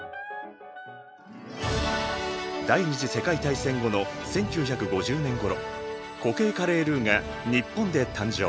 第２次世界大戦後の１９５０年ごろ固形カレールーが日本で誕生。